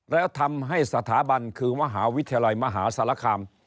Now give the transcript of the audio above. แล้วทำให้สถาบันคือมหาวิทยาลัยมหาศาลคาม